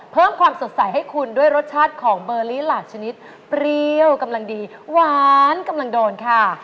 เพิ่มความสดใสให้คุณด้วยรสชาติของเบอร์ลี่หลาดชนิดเปรี้ยวกำลังดีหวานกำลังโดนค่ะ